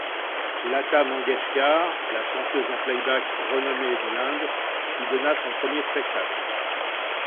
Lata Mangeshkar, la chanteuse en play-back renommée de l'Inde, y donna son premier spectacle.